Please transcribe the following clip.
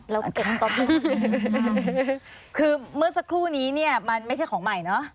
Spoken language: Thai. แล้วก็เก็บน้ำก๊อปลูกคือเมื่อสักครู่นี้เนี่ยมันไม่ใช่ของใหม่เนอะ